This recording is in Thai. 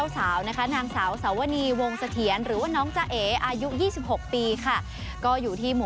สาวหล่อแล้วกันเป็นสาวหล่อ